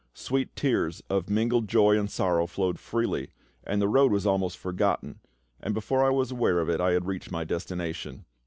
Sweet tears of mingled joy and sorrow flowed freely, the road was almost forgotten, and before I was aware of it I had reached my destination.